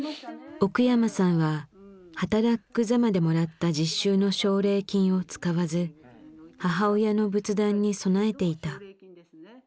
奥山さんははたらっく・ざまでもらった実習の奨励金を使わず母親の仏壇に供えていた。